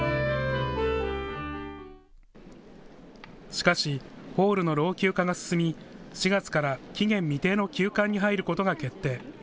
しかしホールの老朽化が進み４月から期限未定の休館に入ることが決定。